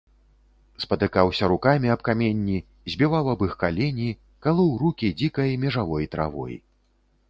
Спатыкаўся рукамі аб каменні, збіваў аб іх калені, калоў рукі дзікай межавой травой.